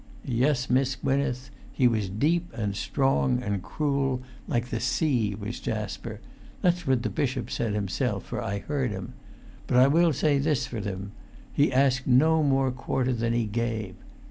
Yes, Miss Gwynneth, he was deep and strong and cruel, like the sea, was[Pg 401] Jasper; that's what the bishop said himself, for I heard him; but I will say this for him, he asked no more quarter than he gave.